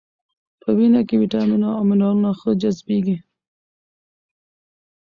په وینه کې ویټامینونه او منرالونه ښه جذبېږي.